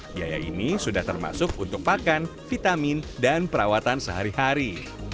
biaya ini sudah termasuk untuk pakan vitamin dan perawatan sehari hari